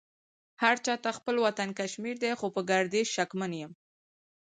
هرچا ته خپل وطن کشمير دې خو په ګرديز شکمن يم